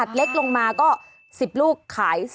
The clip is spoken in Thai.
เท่าไหร่คะ